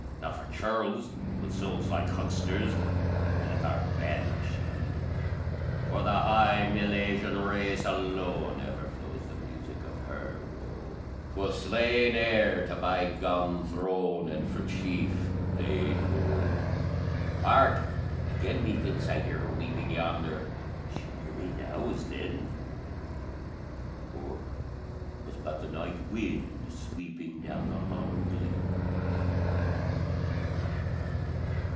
Not for churls with souls like hucksters Waileth our Banshee! For the high Milesian race alone Ever flows the music of her woe! For slain heir to bygone throne, And for Chief laid low! Hark!... Again, methinks, I hear her weeping Yonder! Is she near me now, as then? Or was but the night wind sweeping Down the hollow glen?